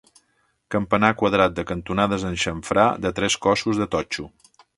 Campanar quadrat de cantonades en xamfrà de tres cossos de totxo.